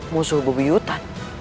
musuh bebu yutan